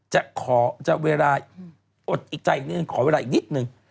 จะขอเวลาอดใจอีกนิดหนึ่งขอเวลาอีกนิดหนึ่ง